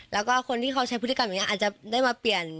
แล้วก็คนที่เขาใช้พฤติกรรมแบบนี้อาจจะได้มาเปลี่ยน